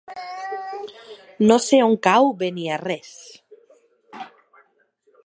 No sé on cau Beniarrés.